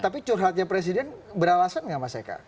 tapi curhatnya presiden beralasan nggak mas eka